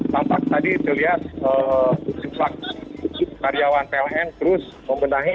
tampak tadi terlihat sempat karyawan pln terus membenahi